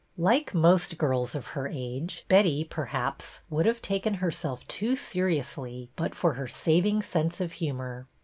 Like most girls of her age, Betty, perhaps, would have taken herself too seriously but for her saving sense of humor.